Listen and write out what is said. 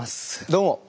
どうも。